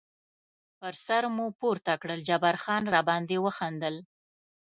پر سر مو پورته کړل، جبار خان را باندې وخندل.